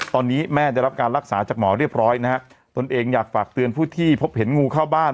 ตอนนี้แม่ได้รับการรักษาจากหมอเรียบร้อยนะฮะตนเองอยากฝากเตือนผู้ที่พบเห็นงูเข้าบ้าน